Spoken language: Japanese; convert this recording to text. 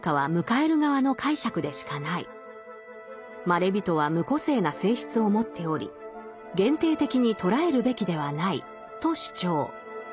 まれびとは無個性な性質を持っており限定的に捉えるべきではないと主張。